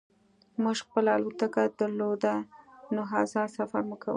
موږ خپله الوتکه درلوده نو ازاد سفر مو کاوه